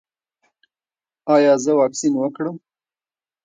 ایا زه واکسین وکړم؟